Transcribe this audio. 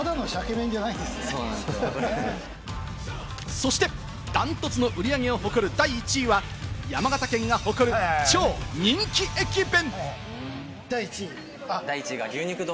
そしてダントツの売り上げを誇る第１位は、山形県が誇る超人気駅弁！